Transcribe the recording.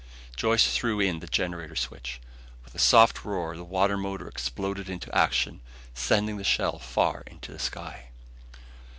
Joyce threw in the generator switch. With a soft roar the water motor exploded into action, sending the shell far into the sky.